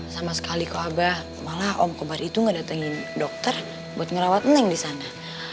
sama sekali kok abah malah om kobar itu nggak datengin dokter buat ngerawat neng disana